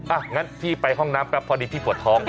อ่ะงั้นพี่ไปห้องน้ำแป๊บพอดีพี่ปวดท้อง